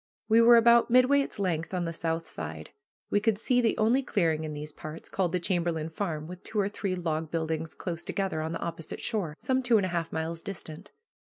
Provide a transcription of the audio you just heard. We were about midway its length on the south side. We could see the only clearing in these parts, called the "Chamberlain Farm," with two or three log buildings close together, on the opposite shore, some two and a half miles distant.